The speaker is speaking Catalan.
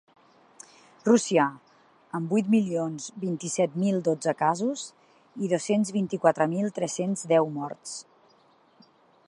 Rússia, amb vuit milions vint-i-set mil dotze casos i dos-cents vint-i-quatre mil tres-cents deu morts.